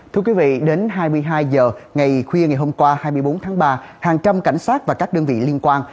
thưa quý vị đến hai mươi hai h ngày khuya ngày hôm qua hai mươi bốn tháng ba hàng trăm cảnh sát và các đơn vị liên quan